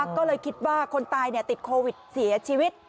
ก็เลยคิดว่าคนตายติดโควิดเสียชีวิต